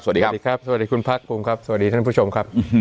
สวัสดีครับสวัสดีคุณภาคภูมิครับสวัสดีท่านผู้ชมครับ